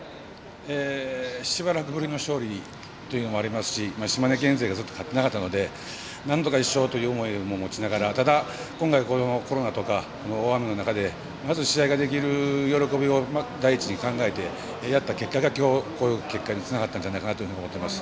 しばらくぶりの勝利というのもありますし島根県勢がずっと勝っていなかったのでなんとか１勝という思いを持ちながらただ、今回、コロナとか大雨の中でまず試合ができる喜びを第一に考えてやった結果がきょう、こういう結果につながったんじゃないかなと思います。